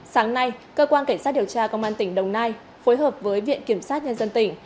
sáng nay cơ quan cảnh sát điều tra công an tỉnh đồng nai phối hợp với viện kiểm sát nhân dân tỉnh